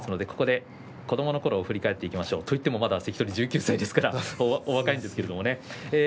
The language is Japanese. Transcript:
ここで子どものころを振り返っていきましょうといっても関取は１９歳ですからお若いですけどね。